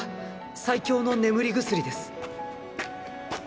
最強の眠り薬です。